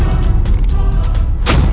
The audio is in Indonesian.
dasar kau dukun palsu